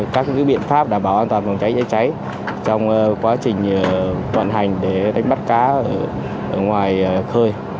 các biện pháp đảm bảo an toàn phòng cháy cháy trong quá trình vận hành để đánh bắt cá ở ngoài khơi